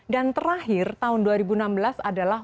dan terakhir tahun dua ribu enam belas adalah